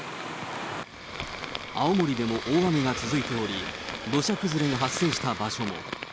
青森でも大雨が続いており、土砂崩れが発生した場所も。